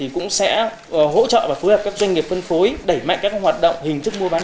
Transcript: cũng sẽ hỗ trợ và phối hợp các doanh nghiệp phân phối đẩy mạnh các hoạt động hình thức mua bán